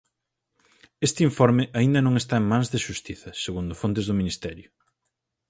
Este informe aínda non está en mans de Xustiza, segundo fontes do ministerio.